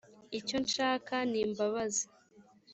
icyo nshaka ni imbabazi